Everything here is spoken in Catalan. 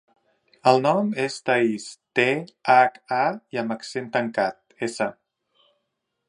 El nom és Thaís: te, hac, a, i amb accent tancat, essa.